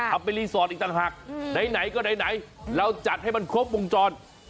เอาไปรีสอร์ทอีกต่างหากไหนก็ไหนเราจัดให้มันครบวงจร